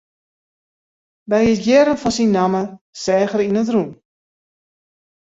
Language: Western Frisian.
By it hearren fan syn namme seach er yn it rûn.